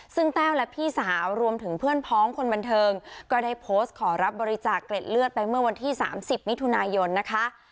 ซึ่งแต้วและพี่สาวรวมถึงเพื่อนพ้องคนบันเทิงก็ได้โพสต์ขอรับบริจาคเกล็ดเลือดไปเมื่อวันที่๓๐มิถุนายนนะคะ